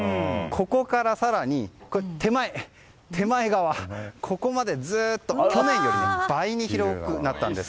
ここから更に、手前側ここまでずっと去年より倍に広くなったんです。